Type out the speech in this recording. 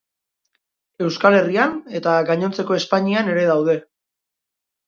Euskal Herrian eta gainontzeko Espainian ere daude.